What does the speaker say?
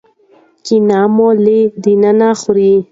کینه مو له دننه خوري.